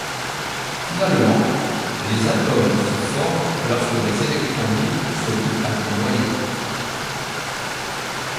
Finalement, les atomes se forment lorsque les électrons libres se lient à des noyaux.